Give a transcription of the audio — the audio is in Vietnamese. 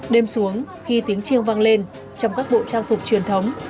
đêm xuống khi tiếng chiêng vang lên trong các bộ trang phục truyền thống